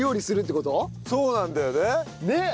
そうなんだよね。